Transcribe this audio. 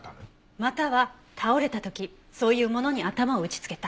または倒れた時そういうものに頭を打ちつけた。